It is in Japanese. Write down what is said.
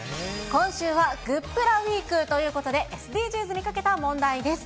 今週は、グップラウィークということで、ＳＤＧｓにかけた問題です。